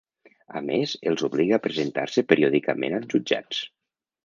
A més els obliga a presentar-se periòdicament als jutjats.